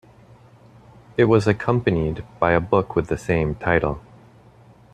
It was accompanied by a book with the same title.